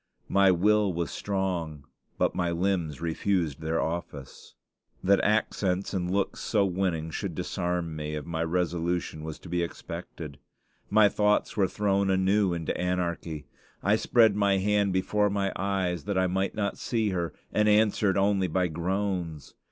My will was strong, but my limbs refused their office. That accents and looks so winning should disarm me of my resolution was to be expected. My thoughts were thrown anew into anarchy. I spread my hand before my eyes that I might not see her, and answered only by groans.